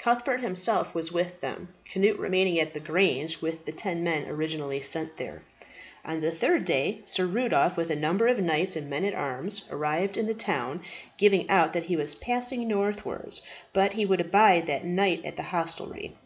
Cuthbert himself was with them, Cnut remaining at the grange with the ten men originally sent there. On the third day Sir Rudolph, with a number of knights and men at arms, arrived in the town, giving out that he was passing northwards, but he would abide that night at the hostelry.